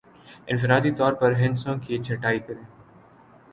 انفرادی طور پر ہندسوں کی چھٹائی کریں